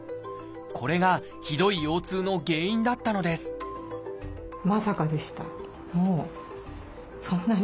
これがひどい腰痛の原因だったのですまさかでした。